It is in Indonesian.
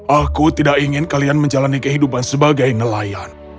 aku tidak ingin kalian menjalani kehidupan sebagai nelayan